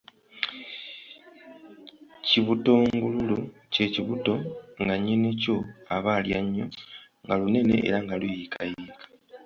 Kibutongululu kye kibuto nga nnyini kyo aba alya nnyo, nga lunene era nga luyiikayiika.